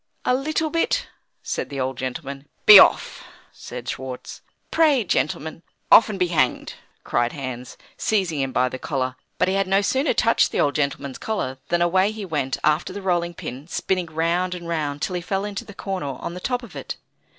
"A little bit," said the old gentleman. "Be off!" said Schwartz. "Pray, gentlemen " "Off, and be hanged!" cried Hans, seizing him by the collar. But he had no sooner touched the old gentleman's collar, than away he went after the rolling pin, spinning round and round, till he fell into the corner on the top of it.